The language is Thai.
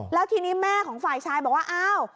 แล้วทีนี้แม่ของฝ่ายชายบอกว่าอ้าว